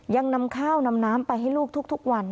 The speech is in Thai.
ยังนำข้าวนำน้ำไปให้ลูกทุกวัน